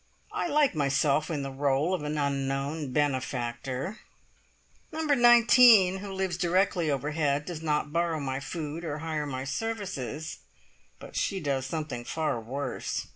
I like myself in the role of an unknown benefactor! Number 19, who lives directly overhead, does not borrow my food or hire my services, but she does something far worse.